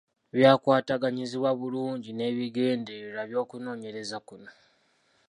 Byakwataganyizibwa bulungi n’ebigendererwa by’okunoonyereza kuno.